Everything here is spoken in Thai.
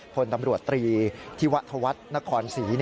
คนตำรวจตรีที่วัฒวัฒนครสี